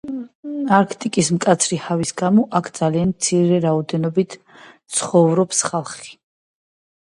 არქტიკის მკაცრი ჰავის გამო აქ ძალიან მცირე რაოდენობით ცხოვრობს ხალხი.